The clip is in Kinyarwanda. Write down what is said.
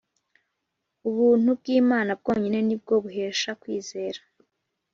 Ubuntu bwimana bwonyine nibwo buhesha kwizera